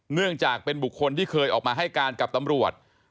เนื่องจากเป็นบุคคลที่เคยออกมาให้การกับตำรวจ